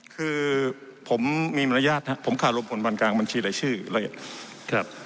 คือผมมีมารยาทนะครับผมขาดรมผลวันกลางบัญชีรายชื่อละเอียดครับ